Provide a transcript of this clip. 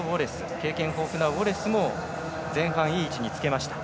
経験豊富なウォレスも前半、いい位置につけました。